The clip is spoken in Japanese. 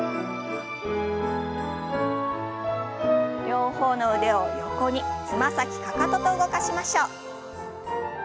両方の腕を横につま先かかとと動かしましょう。